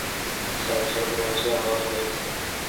Sir, সর্বনাশ যা হওয়ার হয়ে গেছে।